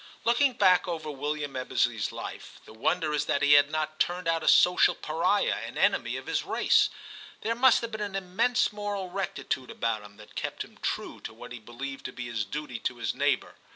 Looking back over William Ebbesley's life, the wonder is that he had not turned out a social pariah and enemy of his race. There must have been an immense moral rectitude about him that kept him true to what he be lieved to be his duty to his neighbour.